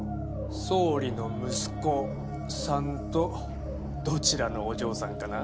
総理の息子さんとどちらのお嬢さんかな？